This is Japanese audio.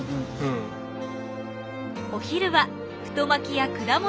お昼は太巻きや果物。